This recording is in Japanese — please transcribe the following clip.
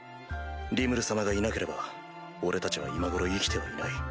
リムル様がいなければ俺たちは今頃生きてはいない。